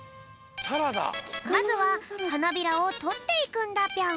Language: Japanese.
まずははなびらをとっていくんだぴょん。